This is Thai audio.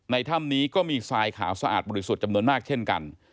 ถ้ำนี้ก็มีทรายขาวสะอาดบริสุทธิ์จำนวนมากเช่นกัน